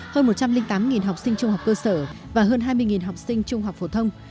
hơn một trăm linh tám học sinh trung học cơ sở và hơn hai mươi học sinh trung học phổ thông